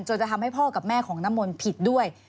จะทำให้พ่อกับแม่ของน้ำมนต์ผิดด้วย